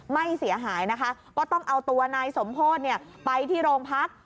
ไม่เสียหายนะคะก็ต้องเอาตัวนายสมโพธิไปที่โรงพัก